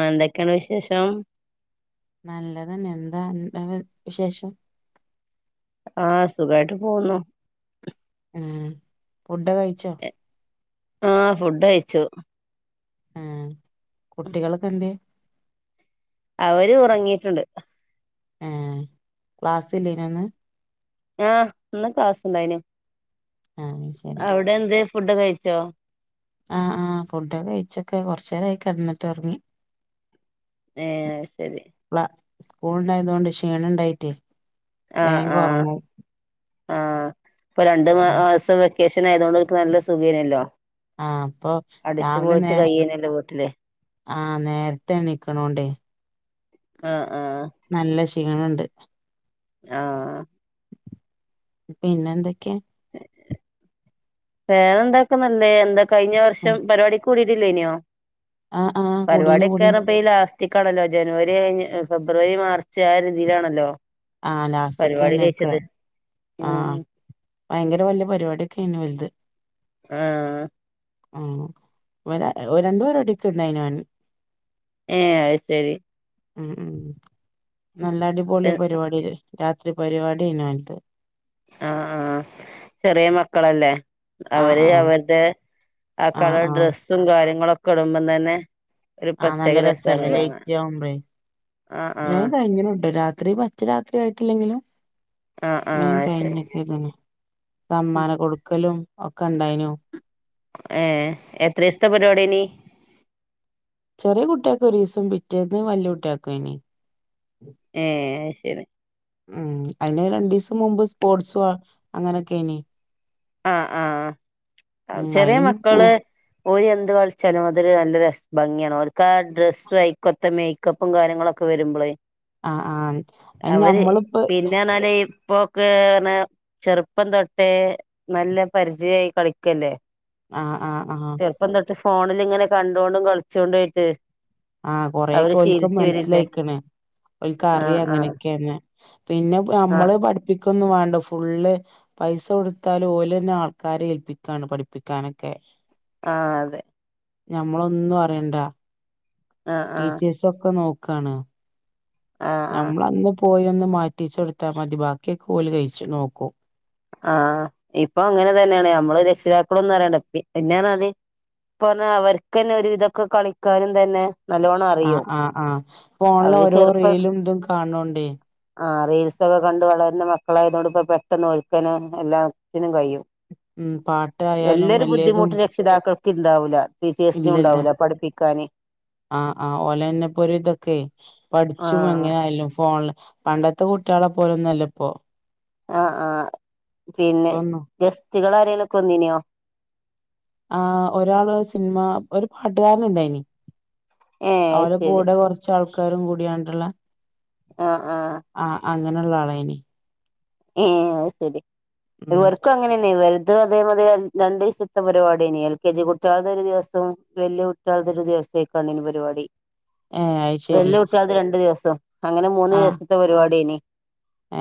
ആഹ്. എന്തൊക്കാണ് വിശേഷം. നല്ലതന്നെ എന്താ അൻ ൻ്റെ വ വിശേഷം ആഹ്. സുഖായിട്ട് പോവുന്നു. ഏഹ്. ഫുഡൊക്കെ കയിച്ചോ? ആഹ് ഫുഡ്ഡഴിച്ചു. ആഹ്. കുട്ടികൾക്കെന്തേ? അവര് ഉറങ്ങിയിട്ട്ണ്ട്. ഏഹ്. ക്ലാസ്സില്ലേനൊ ഇന്ന്? ആഹ്. ഇന്ന് ക്ലാസുണ്ടായിനു ആഹ് ശരി അവടെന്തെ ഫുഡൊക്കെ കഴിച്ചോ? ആഹ് ആഹ്. ഫുഡൊക്കെ കഴിച്ചൊക്കെ കൊർചേരായി കെടന്ന്ട്ട് ഒർങ്ങി. ഏഹ്. അഹ് ശെരി പ്ല. സ്കൂൾണ്ടായതോണ്ട് ഷീണണ്ടായിറ്റേ. ആഹ് ആഹ് ആഹ് പ്പരണ്ട് ഉം മാസം വെ ക്കേഷനായതോണ്ട് ഓൽക്ക് നല്ല സുഖേനല്ലോ ആഹ് അപ്പൊ അട്ച്ച് രാവിലെ നേ പൊളിച്ച് കയ്യേനല്ലോ വീട്ട്ല് ആഹ് നേരത്തെനിക്കണോണ്ടേ ആഹ് ആഹ് നല്ലഷീണണ്ട്. ആഹ് പിന്നെന്തൊക്കെ വേറെന്താക്കന്നല്ലേഎന്താകയിഞ്ഞ വർഷംപരിപാടികൂടിയിട്ടില്ലേയിനോ ആഹ് ആഹ് കൂടീന് കൂടീന് പരിപാടിൊക്കെന്നറിപ്പൊഈലാസ് റ്റ്ക്കാണല്ലോജനുവരികയിഞ്ഞ് ഫെബ്രുവരിമാർച്ച് ആര്തിലാണല്ലോ ആഹ് ലാസ്റ്റിക്കന്നൊക്കെആഹ് ഉം ഭയങ്കരവെല്ല്യ പരിപാടിയൊക്കെയായിനുഓലത് ആഹ് [unintelligible] രണ്ട്പരിപാടിക്കണ്ടയിനാൻ ഏഹ് അയ്ശെരി ഉം നല്ലടിപൊളിപരിപാടിരാത്രി പരിപാടിയിനിഒലത് ആഹ്ആഹ് ആഹ് ആഹ് ചെറിയെമക്കളല്ലേഅവര്അവര്ടെ ആഹ് ആകളർ ആഹ് ഡ്രെ സുംകാര്യങ്ങളൊക്കെടുമ്പോംതന്നെ ആഹ് നല്ലരസല്ലേ ലേറ്റാവുമ്പേ ആഹ് ആഹ് വേകയിഞ്ഞിനുട്ടാ രാത്രിപ റ്റരാത്രിആയിട്ടില്ലെങ്കിലുംമെ ആഹ് ആഹ് അത് ശരി കയിഞ്ഞക്ക്ണ്. സമ്മാനംകൊടുക്കലുംഒക്കെ ണ്ടായിനു ഏഹ്എത്രിസ്ഥപരിപാടിയെനി ചെറിയെകുട്ടിയേൽക് ഒരിസം പിറ്റേന്ന് വല്ല്യകുട്ടിയെകെനു. ഏഹ്ശെരി ഉം അയിന് രണ്ടുസംമുമ്പ് സ്പോർട്സുംഅങ്ങനൊക്കെന് ആഹ് ആഹ് ഉം അയിലും പൂ ചെറിയമക്കള് ഓരെന്ത്കളിച്ചാലുംഅതൊരുനല്ല ര ഭംഗിയാണ് ഓര്ക്കാഡ്രസ്സ് ആയിക്കൊത്തമേ ക്കപ്പുംകാര്യങ്ങളൊക്കെ ആഹ് ആഹ് അത് ഞമ്മളിപ്പോ വരുമ്പോളേഅവര്പിന്നെണാലെ ഇപ്പൊക്കെ അനെ ചെറുപ്പം തൊട്ടേ നല്ല പരിചയയി കളിക്കല്ലേ ആ ആഹ് ആഹ ചെറപ്പം തിട്ട് ഫോണിൽ ഇങ്ങനെ കണ്ടുകൊണ്ടും കളിച്ചോണ്ടും ആയിട്ട് ആഹ കൊറെക്കെ അവര് ഒൾക്കും ശീലിച്ചു വരില്ലേ മനസ്സിലായിക്കണ് ഒക്ക് ആഹ് അറിയ ആഹ് അങ്ങനെയൊക്കെയന്ന്. പിന്നെ ആഹ് നമ്മള് പഠിപ്പിക്കൊന്നും വേണ്ട ഫുള്ള് പൈസ കൊടുത്താലും ഓലെ തന്നെ ആൾക്കാരെ ഏൽപ്പിക്കാണ് പഠിപ്പിക്കാനൊക്കെ ആ അതെ ഞമ്മളൊന്നും അറിയണ്ട ആഹ് ആഹ് ടീച്ചേഴ്സ് ഒക്കെ നോക്കാണ്. ആഹ് ആഹ് നമ്മളന്ന് പോയി ഒന്ന് മാറ്റിച്ചു കൊടുത്താൽ മതി ബാക്കിയ ക കോലി കഴിച്ചു നോക്കൂ ആഹ ഇപ്പൊ അങ്ങനെ തന്നെയാണ് ഞമ്മള് രക്ഷിതാക്കള ഒന്നും അറിയണ്ട പിന്നെയാണ് അത് അ അവർക്ക് തന്നെ ഒരു ഇതൊക്കെ കളിക്കാനും തന്നെ നല്ലോണരിം ആഹ് ആഹ് ആ ഫോണില ഓരോ റീലും ഇതും കാണണോണ്ടേ ആ റീൽസ് ഒക്കെ കണ്ട് വളരുന്ന മക്കളായതോണ്ട് ഇപ്പൊ പെട്ടന്ന് ഒൽക്ക്‌ തന്നെ എല്ലാത്തിനും കഴിയും. ഉം പാട്ടായാലും വല്യൊരു അല്ലേതും ബുദ്ധിമുട്ട് രക്ഷിതാക്കൾക്ക് ഇണ്ടാവില്ല ടീച്ചേഴ്സിനും ഉണ്ടാവില്ല പഠിപ്പിക്കാന്. ആഹ് ആഹ് ഓലെന്നെപ്പോ ഒരു ഇതൊക്കെ പഠിച്ചും ആഹ് എങ്ങനെ ആയാലും ഫോണില് പണ്ടത്തെ കുട്ടികളെ പോലൊന്നും അല്ല ഇപ്പോ ആഹ ആഹ പിന്നെ ഇപ്പൊന്നും ഗസ്റ്റുകൾ ആരെേങ്കിലും ഒക്കെ വന്നിനെയോ? ആ ഒരാള് സിനിമ ഒരു പാട്ടുകാരൻ ഇണ്ടായിനി ഏഹ് അത് അവരടെ ശരി കൂടെ കൊറച്ച ആൾക്കാരും കൂടിയണണ്ടുള്ള ആഹ് ആഹ് ആഹ് അങ്ങനെള്ള ആളെനി ഏഹ് അയ്ശരി ഉം ഇവർക്കും അങ്ങനെ വലുതും അതേ അതേ രണ്ട് ദിവസത്തെ പരിപാടനി എൽ കെ ജി കുട്ട്യാൾടെ ഒരു ദിവസവും വല്യ മറ്റാത്തൊരു ദിവസത്തേക്കാണ് ഇനി പരിപാടി ഏ അത് ശരി വല്യ കുട്ട്യാത് രണ്ടു ദിവസം അങ്ങനെ മൂന്ന് ദിവസത്തെ പരിപാടനി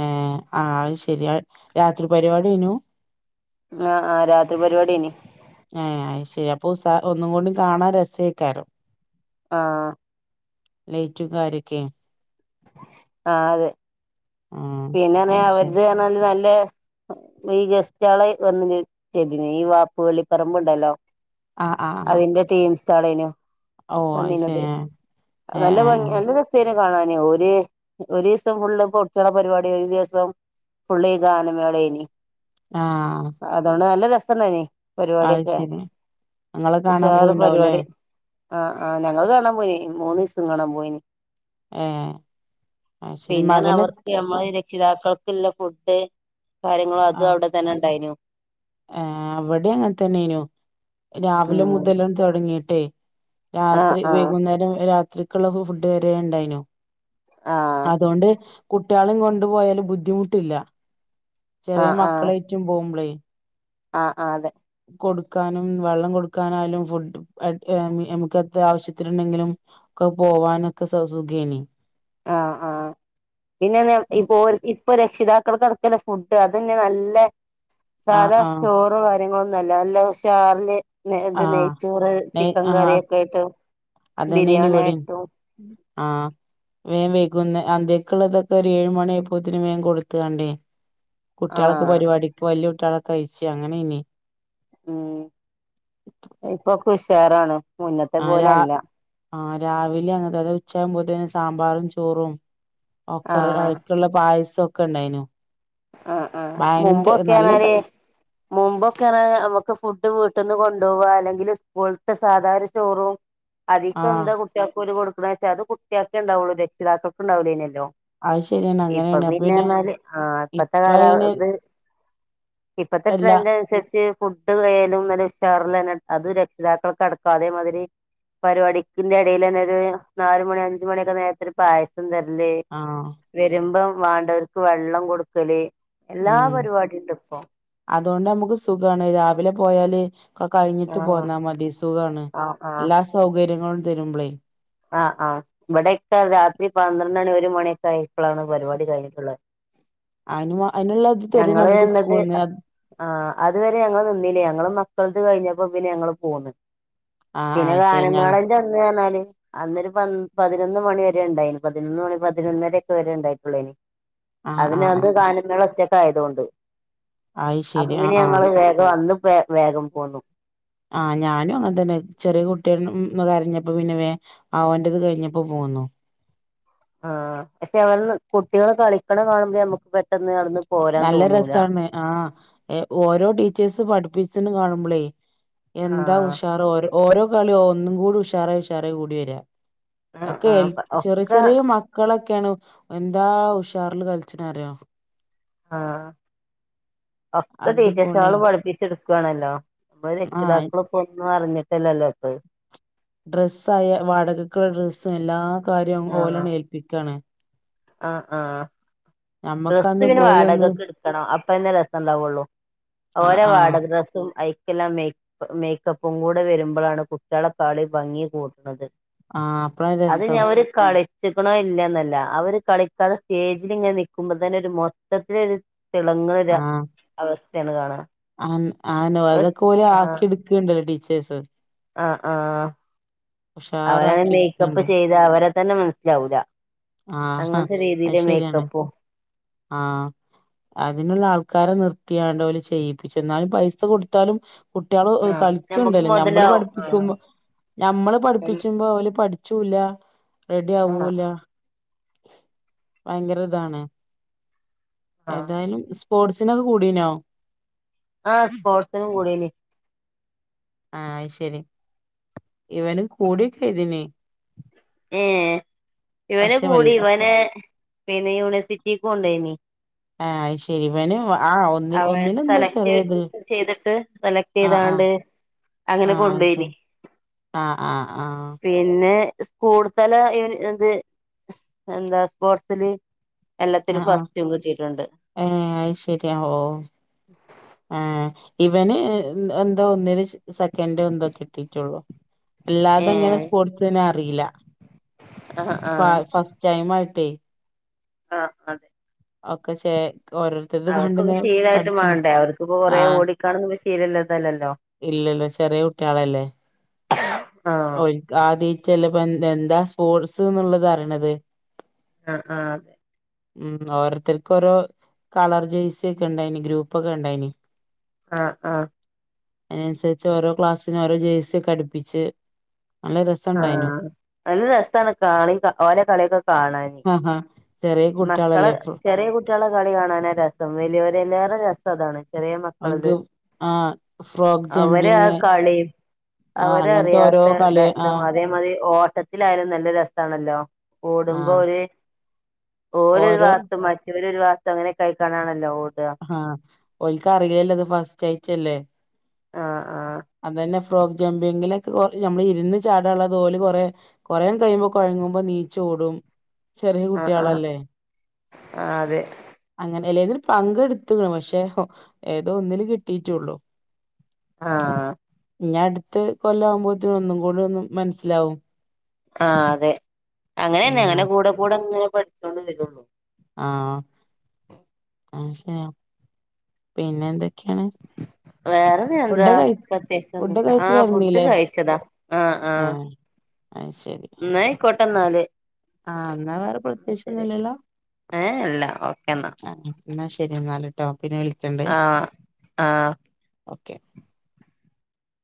ഏഹ് ആഹ് അത് ശരിയ രാത്രി പരിപാടിയെനു ആഹ് ആഹ് രാത്രി പരിപാടിയന് ഏഹ് അയ്ശരി അപ്പൊ ഒന്നും കൊണ്ടും കാണാൻ രസയിക്കാരോ ആഹ് ലൈറ്റും കാര്യംക്കെ ആഹ് അതെ ആ പിന്നെ അത് ശരി അവർത് പറഞ്ഞാല് നല്ല ഈ ഗസ്റ്റളെ വന്നിതി ഈ വാപ്പു വളി പറമ്പ്ണ്ടല്ലോ ആ ആ ആ അതിന്റെ ടീംസളേനു ഓ അത് വന്നീനതെ ശരി ഏ ഏ നല്ല ഭംഗ നല്ല രസ കാണാന് ഒരു ഒരീസം ഫുള്ള് [unintelligible] പരിപാടി ഒരു ദിവസം ഫുൾ ഈ ഗാനമേളെനി ആഹ് അതൊണ്ട് നല്ല രസണ്ടനി പരിപാടിയോക്കെ ശരി ഇങ്ങള് കാണാൻ ഉഷാർ പോയിണ്ടാവുംല്ലേ പരിപാടി ആഹ് ആഹ് ഞങ്ങള് കാണാൻ പോയിനി മൂന്ന് ദിവസം കാണാൻ പോയിന് ഏഹ് അയ്ശരി മകന് നമ്മൾ രക്ഷിതാക്കൾക്കുള്ള ഫുഡ് കാര്യങ്ങളും അതും അവിടെ തന്നെ ഉണ്ടായിനു ആഹ് അവിടേം അങ്ങനെ തന്നെനു രാവിലെ ഉം മുതലും തുടങ്ങിട്ടേ ആഹ് രാത്രി ആഹ് വൈകുന്നേരം രാത്രിക്കുള്ള ഫുഡ് വരെ ഉണ്ടായിനു ആഹ് അതുകൊണ്ട് കുട്ടിയാളീം കൊണ്ടുപോയാലും ബുദ്ധിമുട്ടില്ല ചെറിയ ആഹ് ആഹ് മക്കളെ മറ്റും പോകുമ്പളേ ആഹ് ആഹ് അതെ കൊടുക്കാനുംവള്ളം കൊടുക്കാനായാലും ഫുഡ് എട് എ ന്നമുക്ക് എത്ര ആവശ്യത്തിന്ണ്ടെങ്കിലും ഒക്കെ പോവാനൊക്കെ സൊസുഖയ്നി ആഹ്, ആഹ് പിന്നെന്നേ ഇപോര് ഇപ്പൊ രക്ഷിതാക്കൾക്കടകല്ലെ ഫുഡ് അതെന്നേന്നല്ലേ ആഹ് സാധാ ആഹ് ചോറ് കാര്യങ്ങളൊന്നൊല്ല ന്നല്ലേ ഉഷാറില് ന്നേ ഇത് ആഹ് നെയ്ച്ചോറ് ചിക്കെൻകറി ഒക്കെ ആയ്ട്ട് അതെന്നെയ്നി ഇവടിം ആഹ് വേൻവൈകുന്ന് അന്തിക്കുള്ളതൊക്കെ ഒര്ഏഴ് മണിയ ആപ്പോത്തിന് വേൻ കൊട്ത്തുകണ്ടേ കുട്ടിയാൾക്ക് ആഹ് പരിപാടിക്ക് വല്ല്യാ കുട്ടിയാളൊക്കെ ഒയ്ച്ച് അങ്ങനെയ്നി ഉം ഇപ്പൊക്കെഉഷാറാണ്. ആഹ് രാ ആഹ് രാവിലെ അങ്ങൻത്തെന്നേ ഉച്ചാകുമ്പോത്തിനും സാമ്പാറും ചോറും ഓക്കെറെ ആഹ് അയ്ക്ക്ള്ള പായസൊക്കെ ഇണ്ടയ്നു ആഹ് ആഹ് മുമ്പൊക്കെർഞ്ഞാല് മുമ്പൊക്കെറെ ഞമ്മക്ക് ഫുഡ് വീട്ടിന്ന് കൊണ്ടോവാ അല്ലെങ്കിൽ സ്കൂളത്തെ സാധാരചോറൂം ആഹ് അതിക്കെന്താ കുട്ടികൾക്ക് കൊടുക്കണേച്ചാ അത് കുട്ടികൾക്കെ ഇണ്ടാവൊള്ളൂ രക്ഷിതാക്കക്ക് ണ്ടാവൂലയ്നല്ലോ. അത് ശരിയാണ് അങ്ങനെയാണ് അപ്പൊ ഇപ്പൊപിന്നെ പിന്നെ പറഞ്ഞാല് ആഹ് ഇപ്പത്തെ ഇപ്പ അങ്ങനെ കാലത് ഇപ്പത്തെ എല്ലാ ട്രെൻഡ് അനുസരിച്ച് ഫുഡ് കെയാലും ന്നല്ലെഉഷാറിലെന്നെ അത്രക്ഷിതാക്കൾക്ക് അടക്കം അതേമാതിരി പരിപാടിക്കിന്റെ ഇടയിലെന്നെ ഒര്നാല് മണി അഞ്ച്മണിയൊക്കെ നേരത്തെരു പായസംതെര്ല് ആഹ് വെരുമ്പം വാണ്ടവർക്ക് വെള്ളം കൊടുക്കല് എല്ലാ പരിപാടീണ്ട് ഇപ്പൊ അതോണ്ട് അമ്മക്ക് സുഖാണ് രാവിലെ പോയാല് കൊക്കെ കഴിഞ്ഞിട്ട് ആഹ് പോന്നാൽമതി സുഖാണ് ആഹ് ആഹ് എല്ലാസൗകര്യങ്ങളും തെരുമ്പളെയ് ആഹ് ആഹ് ഇബടൊക്കെ രാത്രി പന്ത്രണ്ട് മണി ഒര് മണിയൊക്കെആയപ്പളാണ് പരിപാടി കയ്ഞ്ഞിട്ടുള്ളത്. അയ്നുവ അതിനുള്ളത് തെര്ണ്ട്ഞമ്മക്ക് സ്കൂൾന്ന് ആഹ് അതുവരെ ഞങ്ങൾനിന്നില്ലേ ഞങ്ങള് മക്കൾത്കഴിഞ്ഞപ്പോപിന്നെ ഞങ്ങള്പോന്ന്. ആഹ് പിന്നെ ആഹ് ശരി ഞ ഗാനമേളന്റെ അന്ന്പറഞ്ഞാല് അന്നൊരു പന്ന് പതിനൊന്ന്മണി വെരെ ഉണ്ടായിന് പതിനൊന്ന്മണി പതിനൊന്നരക്കെവെരെ ഇണ്ടായിട്ടൊള്ളയ്നി ആഹ് അതിന്ന് ആഹ് വന്ന് ആഹ് ഗാനമേള ഒറ്റക്കായതോണ്ട്. അത് ശരി അപ്പൊപിന്നെ ആഹ് ആഹ് ഞങ്ങൾ വേഗംഅന്ന് വേഗംപോന്നു. ആഹ് ഞാനുംഅങ്ങതെന്നെ ചെറിയ കുട്ടിര്ന്ന് ഉം കരഞ്ഞപ്പോ പിന്നേ വേ ആഹ് ഓന്റേത് കയ്ഞ്ഞപ്പോപോന്നു. ആഹ് പക്ഷെ കുട്ടികള് കളിക്ക്ണ കാണുമ്പോ ഞമ്മക്ക് പെട്ടെന്ന് അവ്ട്ന്ന് ന്നല്ലെ രെസാണ് ആഹ് ഓരോ ടീച്ചേഴ്സ് പഠിപ്പിച്ച്ണേ കാണുമ്പളേ ആ എന്താഉഷാർ ഓര് ഓരോകളിയുംഒന്നും കൂടി ഉഷാറായി, ഉഷാറേകൂടിവെരാ. ആ ഒക്കെ ആ ഒക്കെ ചെറിയചെറിയ മക്കളൊക്കെണ് എന്താഉഷാറല് കൾച്ച്ണെറിയോ. ആഹ് ഒക്കെ അടിപൊളി ടീച്ചെയ്സാള് പഠിപ്പിച്ചെടുക്കുവാണല്ലോ നമ്മള് ആഹ് രക്ഷിതാക്കൾപ്പോ ഒന്നുംഅറിഞ്ഞിട്ടല്ലല്ലോ. ഡ്രസ്സായ വാടകക്ള്ള ഡ്രസ്സും എല്ലാ കാര്യങ്ങളും ഓലന്നെ ഏൽപ്പിക്കണ്. ആഹ് ആഹ് നമ്മക്കന്ന് ഡ്രസ്സ്പിന്നെ പോയി ഒന്ന് വാടകൊക്ക് ഇട് ക്കണം അപ്പെന്നെ രെസണ്ടാവൊള്ളൂ ആഹ് ആഹ് ഓലെവാടകഡ്രെസ്സും അയ് കില്ല മേക് മേക്കപ്പുംകൂടെ വെരുമ്പോളാണ് കുട്ടളെക്കളി ഭംഗി കൂട്ടുണത്. ആഹ് അപ്പളാ അത്ഞ്ഞി രസം അവര് കളിച്ചിക്ക്ണോ ഇല്ലേന്നല്ല അവര് കളിക്കാതെ സ്റ്റേജിലിങ്ങനെ നിക്കുമ്പോതെന്നെഒര് മൊത്തത്തിലൊര് തിളങ്ണ ഒരഅവസ്തേണ് കാണാ അം ആനോ അതൊക്കെഓല് ആഹ് ആക്കിടുക്കുകണ്ടല്ലോ ടീച്ചേഴ്സ് ആഹ് ആഹ് അവരാണ് ഉഷാറാക്കി മേക്കപ്പ് എടുക്കണ്ട് ചെയ്ത് അവരെ തന്നെ മനസ്സിലാവൂല ആഹാ അങ്ങൻത്തെ അത് രീതിയില് ശരിയാണ് മേക്കപ്പും ആഹ് അതിനുള്ള ആൾക്കാരെ നിർത്തിയാണ്ട് ഓല് ചെയ്യിപ്പിച് ന്നാലും പൈസ കൊടുത്താലും കുട്ടികള് ആഹ് ഞമ്മക്ക് കളിക്ണ്ടല്ലോ ഞമ്മള് മുതലാവും ആഹ് പഠിപ്പിക്കുമ്പോ ഞമ്മള് പഠിപ്പിച്ചുമ്പോ ഓല് പഠ ച്ചൂല റെഡി ആഹ് ആവൂല ഭയങ്കര താണ് ആഹ് ഏതായാലും പോട്സിനൊക്കെ കൂടീനോ? ആഹ് സ്പോർട്സ്നും കൂടിനി ആഹ് അഹ് ശരി ഇവനും കൂടിയൊക്കെ ചെയ്തിനി ഏ ഇവന് പക്ഷെ കൂടി വല്ല ഇവനെ പിന്നെ യൂണിവേഴ്സിറ്റിക്ക് കൊണ്ടേയ്നി ഏ അഹ് ശരി വെനും അവൻ സെലക്ട് ചെയ്തിട്ട് ആഹ് ആഹ് സെലക്ട്യ്താണ്ട് അങ്ങനെ ആഹ് അത് കൊണ്ടോയ്ന് ശരി ആഹ് ആഹ് ആഹ് പിന്നെ സ്കൂൾ തല ഇ എത് എന്താ സ്പോർട്സില് എല്ലത്തില് ഫസ്റ്റും കിട്ടിട്ടുണ്ട് ഏ അഹ് ശരി ഓ ഏ ഇവന് എന്തോ ഒന്നില് സെക്കൻഡും ന്തോ കിട്ടിട്ടോള്ളൂ ഏ അല്ലാതെ ങ്ങനെ സ്പോർട്സ്ന്നെ അറില്ല ആ ആ ഇപ്പാ ഫസ്റ്റ് ടൈം ആയിട്ടേ അഹ് അതെ ഒക്കെ ചേ ഓരോര്ത്തരത് അവർക്കൊക്കെ കണ്ട്ങേനെ ശീലായിട്ട് പഠിച്ണു വേണ്ടേ അവർക്കിപ്പോ കൊറേ ആഹ് ഓടിക്കാണൊന്നും ശീലല്ലതല്ലല്ലോ ഇല്ലല്ല ചെറയെ കുട്ടാളല്ലേ ആഹ് ഓൽക് ആദ്യയ്റ്റല്ലേ പ്പ എന്താ സ്പോർട്സ് ന്നുള്ളത് അറിണത് ആഹ് ആഹ് ഉം ഓരോര്ത്തർക്കോ രോ കളർ ജേയ്സെ ക്കെ ണ്ടായിന് ഗ്രൂപ്പോക്കെ ണ്ടായിനി ആഹ് ആഹ് അയ്നൻസെര്ച്ച് ഓരോ ക്ലാസസിന് ഓരോ ജേഴ്സി ഒക്കെ അട്പ്പിച്ച് ആഹ് നല്ല രസാണ് കാണി ഓലെ കളിയൊക്കെ കാണാന് ആഹ് ആഹ് ചെറിയ മക്കള കുട്ടികളല്ലേ ഫ്രോ ചെറയെ കുട്ടികളെ കളി കാണാനാ രസം വലിയോരെലാരെ റസ് അതാണ് ചെറയെ മക്കള്ത് അവർക്ക് ആഹ് ഫ്രോക്ക് അവരെ ആ ജമ്പിങ് കളീം ആഹ് അങ്ങനത്തെ ഓരോ അവരറിയാത്ത കളി ആഹ് [unintelligible] മതി ഓട്ടത്തിലായാലും നല്ല രസാണല്ലോ ഓടുമ്പോ ആഹ് ഒര് ഓലോര് ഓരോ വാത്തും മറ്റവര് ഒര് വാത്തും അങ്ങനെ ക്കയ്ക്കാണ്ടാണല്ലോ ഓടാ ആഹ് ഓൽക്ക് അറിലല്ലോ ത് ഫസ്റ്റായ്ട്ടെല്ലേ ആഹ് അതെന്നെ ഫ്രോക്ക് ജമ്പിങ്ങിലൊക്കെ ഓല് നമ്മള് ഇര്ന്ന് ചാടാള്ളത് ഓല് കൊറെ കൊറേൻ കഴിയുമ്പോ കൊഴങ്ങുമ്പോ നീച് ഓടും ചെറിയ ആഹ് ആഹ് ആഹ് കുട്ടിയാളല്ലേ ആഹ് അതെ അങ്ങനെല്ലേ ഏതൊരു പ ത് ട്ത്ത്‌ക്ണ് പക്ഷെ ഏതോ ഒന്നില് കിട്ടിട്ടോള്ളൂ ആഹ് ഞ ട്ത്ത് കൊല്ലാകുമ്പോത്ത്‌ന് ഒന്നും കൂടോന്ന് മനസ്സിലാവും ആഹ് അതെ അങ്ങനെന്നെ അങ്ങനെ ഉം കൂടെ കൂടെ ങ്ങനെ പഠിച്ചൊണ്ട് വെരൊള്ളൂ ആഹ് അഹ് ശെരി പിന്നെന്തൊക്കെയാണ് വേറെനി എന്താ ഫുഡ് പ്രത്യേകിച്ചൊന്നുംല്ല കഴിച്ച് ആഹ് ഫുഡ് കിടന്നീല്ലേ കഴിച്ചതാ ആഹ് ആഹ് അഹ് ശരി ക്കോട്ടന്നാല് ആഹ് എന്നാ വേറെ അഹ് ശരി പ്രത്യേകിച്ചൊന്നുല്ലല്ലോ ഏ ല്ല ഓക്കേ എന്നാ ന്നാ ശരി ന്നാല് ട്ടോ പിന്നെ വിളി ആഹ് ആഹ് ഓക്കെ